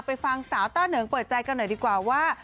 ฟังสาวต้าเหนิงเปิดใจกันหน่อยดีกว่าว่า